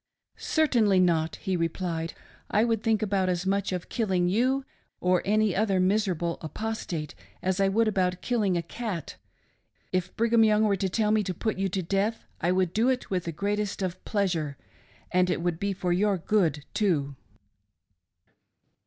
" Certainly not," he replied. " I would think about as much of killing you or any other miserable Apostate as I would about killing a cat. If Brigham Young were to tell me to put you to death I would do it with the greatest of pleasure ;— and it would be for your good, too."